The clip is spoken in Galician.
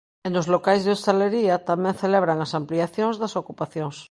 E nos locais de hostalería tamén celebran as ampliacións das ocupacións.